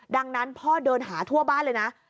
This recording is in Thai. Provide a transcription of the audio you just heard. ดังนั้นพ่อเดินหาทั่วบ้านเลยนะ